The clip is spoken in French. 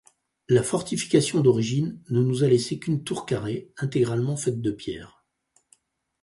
La fortification d'origine ne nous a laissée qu'une tour carrée, intégralement faite de pierres.